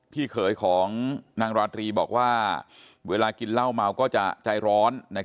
พี่เขยของนางราตรีบอกว่าเวลากินเหล้าเมาก็จะใจร้อน